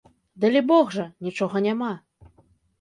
Далібог жа, нічога няма.